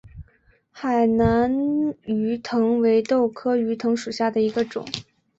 海南鱼藤为豆科鱼藤属下的一个种。